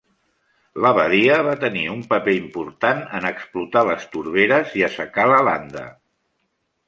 L'abadia va tenir un paper important en explotar les torberes i assecar la landa.